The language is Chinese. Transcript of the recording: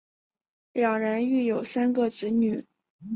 两人育有三个子女。